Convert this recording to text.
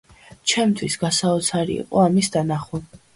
ჩემთვის გასაოცარი იყო ამის დანახვა.